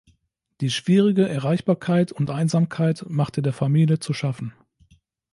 Die schwierige Erreichbarkeit und Einsamkeit machte der Familie zu schaffen.